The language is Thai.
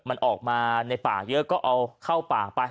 มันออกมาในป่าเยอะก็เอาเข้าป่าไป